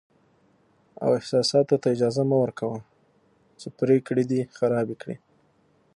او احساساتو ته اجازه مه ورکوه چې پرېکړې دې خرابې کړي.